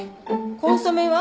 コンソメは？